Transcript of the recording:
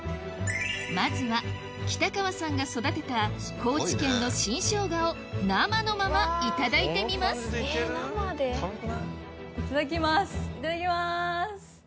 まずは北川さんが育てた高知県の新生姜を生のままいただいてみますいただきますいただきます。